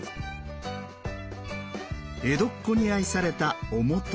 江戸っ子に愛された万年青。